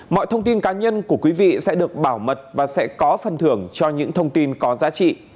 mọi thông tin cá nhân của quý vị sẽ được bảo mật và sẽ có phần thưởng cho những thông tin có giá trị